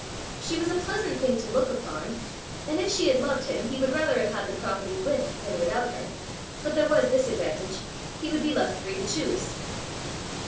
She was a pleasant thing to look upon, and if she had loved him he would rather have had the property with than without her; but there was this advantage, he would be left free to choose!